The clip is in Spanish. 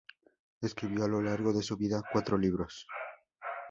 Escribió a lo largo de su vida cuatro libros.